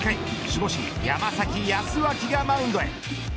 守護神、山崎康晃がマウンドへ。